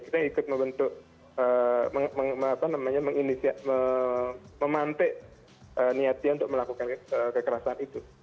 kita ikut membentuk memantik niat dia untuk melakukan kekerasan itu